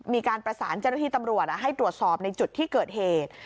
มีการประสานเจ้าหน้าที่ตำรวจให้ตรวจสอบในจุดที่เกิดเหตุ